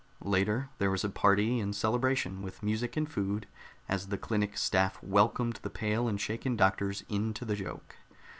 Later, there was a party and celebration, with music and food, as the clinic staff welcomed the pale and shaken doctors into the joke.